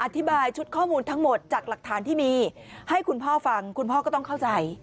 อธิบายชุดข้อมูลทั้งหมดจากหลักฐานที่มีให้คุณพ่อฟังคุณพ่อก็ต้องเข้าใจ